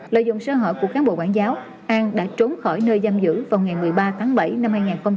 lợi dụng sơ hỏi của cán bộ quảng giáo an đã trốn khỏi nơi giam giữ vào ngày một mươi ba tháng bảy năm hai nghìn hai mươi một